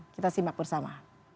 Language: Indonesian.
kita simak bersama